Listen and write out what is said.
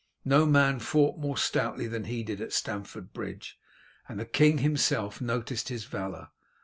No man fought more stoutly than he did at Stamford Bridge, and the king himself noticed his valour.